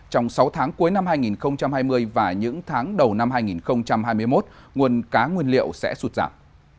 trong sáu tháng cuối năm hai nghìn hai mươi và những tháng đầu năm hai nghìn hai mươi một nguồn cá nguyên liệu sẽ sụt giảm